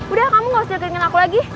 udah kamu gak usah jatuhin aku lagi